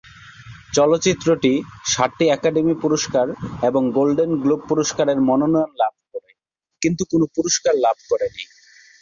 চলচ্চিত্রটি সাতটি একাডেমি পুরস্কার এবং গোল্ডেন গ্লোব পুরস্কারের মনোনয়ন লাভ করে, কিন্তু কোন পুরস্কার লাভ করে নি।